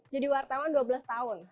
jadi wartawan dua belas tahun